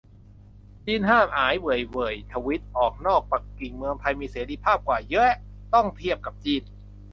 จีนห้าม "อ้าย เหว่ยเหว่ย" ทวีต - ออกนอกปักกิ่ง เมืองไทยมีเสรีภาพกว่าแยะ ต้องเทียบกับจีน